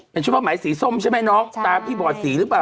ก็หมายสีส้มใช่มั้ยน้องตามพี่บ่อสีหรือเปล่า